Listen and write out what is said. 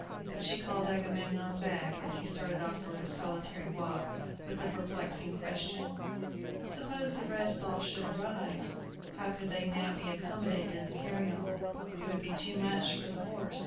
But she called Agamemnon back, as he started off for his solitary walk, with a perplexing question: "Suppose the rest all should arrive, how could they now be accommodated in the carryall? It would be too much for the horse!